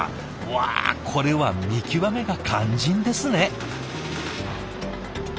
わあこれは見極めが肝心ですね。